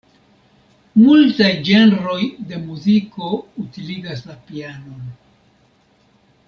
Multaj ĝenroj de muziko utiligas la pianon.